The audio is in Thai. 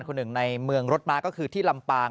หนึ่งในเมืองรถม้าก็คือที่ลำปาง